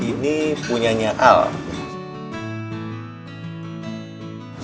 saya hanya membantu mengelola aja